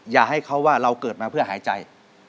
อย่าให้เขาว่าเราเกิดมาเพื่อหายใจ